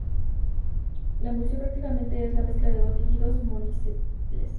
La emulsión prácticamente es la mezcla de dos líquidos no-miscibles.